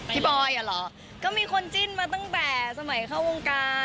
บอยอ่ะเหรอก็มีคนจิ้นมาตั้งแต่สมัยเข้าวงการ